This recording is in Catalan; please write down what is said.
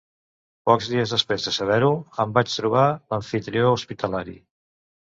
Pocs dies després de saber-ho em vaig trobar l'amfitrió hospitalari.